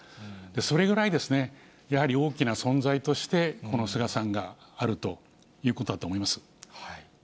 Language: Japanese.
それぐらい、やはり大きな存在として、この菅さんがあるということだと思います。